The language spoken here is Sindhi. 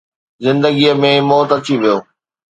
زندگيءَ ۾ موت اچي ويو